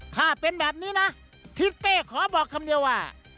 ถ้าเป็นแบบนี้นะทิศเป้ขอบอกคำเดียวว่า